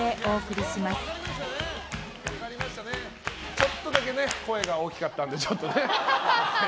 ちょっとだけ声が大きかったんでね。